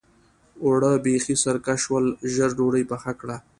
اوړه بېخي سرکه شول؛ ژر ډودۍ پخه کړه.